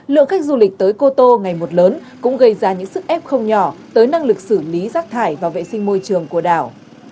lượng khách du lịch tới cô tô ngày một lớn cũng gây ra những sức ép không nhỏ tới năng lực xử lý rác thải và vệ sinh môi trường của đảo